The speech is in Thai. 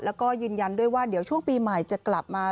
แล้วก็ยืนยันด้วยว่าเดี๋ยวช่วงปีใหม่จะกลับมา